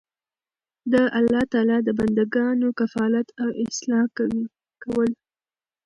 د الله تعالی د بندګانو کفالت او اصلاح کول